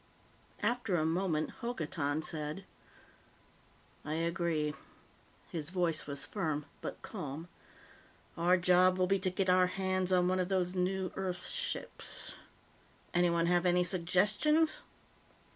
After a moment, Hokotan said: "I agree." His voice was firm, but calm. "Our job will be to get our hands on one of those new Earth ships. Anyone have any suggestions?"